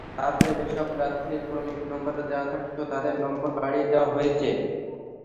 তাতে যেসব প্রার্থীর ক্রমিক নম্বর দেওয়া থাকত, তাঁদের নম্বর বাড়িয়ে দেওয়া হয়েছে।